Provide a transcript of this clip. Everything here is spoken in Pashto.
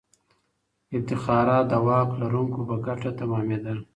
افتخارات د واک لرونکو په ګټه تمامېدل.